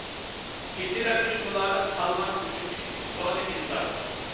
كېچىلەردە شۇلاردىن قالغان، كۆزى چۈشتى كونا ئىزلارغا.